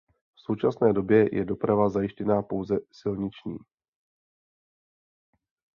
V současné době je doprava zajištěna pouze silniční.